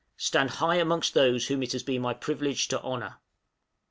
stand high amongst those whom it has been my privilege to honor.